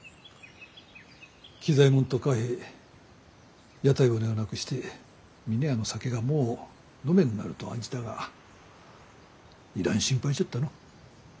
喜左衛門と嘉平屋台骨を亡くして峰屋の酒がもう飲めんなると案じたがいらん心配じゃったの。